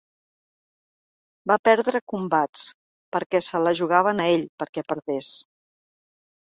Va perdre combats perquè se la jugaven a ell, perquè perdés.